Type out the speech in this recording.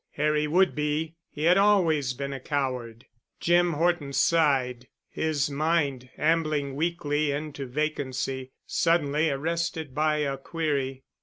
Harry would be. He had always been a coward. Jim Horton sighed, his mind, ambling weakly into vacancy, suddenly arrested by a query.